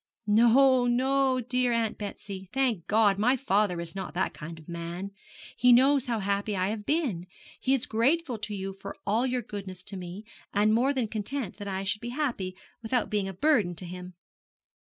'No, no, dear Aunt Betsy. Thank God, my father is not that kind of man. He knows how happy I have been, he is grateful to you for all your goodness to me, and more than content that I should be happy without being a burden to him.'